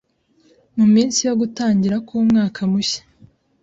Mu minsi yo gutangira k’umwaka mushya